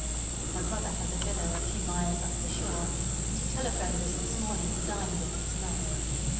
My brother has a villa a few miles up the shore, and he telephoned us this morning to dine with them to night.